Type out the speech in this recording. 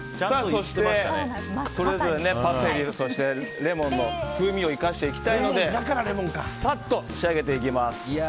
そして、それぞれパセリレモンの風味を生かしたいのでさっと仕上げていきます。